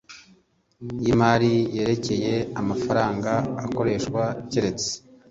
y imari yerekeye amafaranga akoreshwa keretse